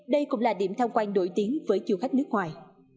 đây cũng là điểm tham quan nổi tiếng với du khách nước ngoài